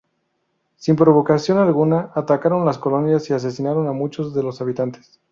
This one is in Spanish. Sin provocación alguna, atacaron las colonias y asesinaron a muchos de los habitantes.